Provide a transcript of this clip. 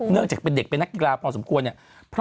เนื่องจากเป็นเด็กเป็นนักกีฬาพอสมควรเนี่ย